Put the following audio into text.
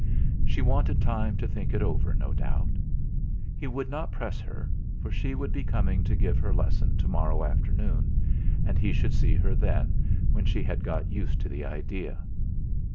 She wanted time to think it over, no doubt! He would not press her, for she would be coming to give her lesson to morrow afternoon, and he should see her then when she had got used to the idea.